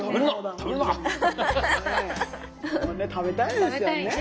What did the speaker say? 食べたいですよね。